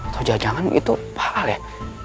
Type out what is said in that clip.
tujuan jangan itu pak alia